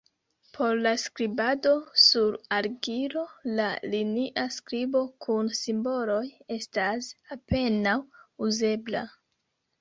Por la skribado sur argilo, la linia skribo kun simboloj estas apenaŭ uzebla.